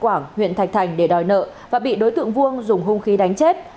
công an xã thạch quảng huyện thạch thành để đòi nợ và bị đối tượng vuông dùng hung khí đánh chết